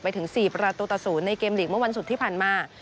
ไปถึง๔ประตูตสูตรในเกมลีกเมื่อวันสุดที่ผ่านมา